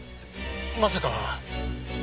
まさか。